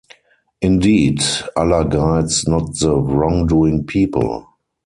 Indeed, Allah guides not the wrongdoing people.